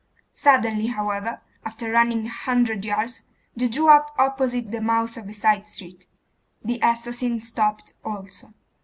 Suddenly, however, after running a hundred yards, they drew up opposite the mouth of a side street; the assassin stopped also.